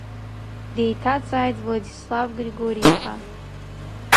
Деиҭаҵааит Владислав Григорииԥа.